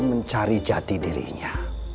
mencari jati dirinya